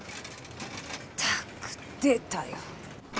ったく出たよ。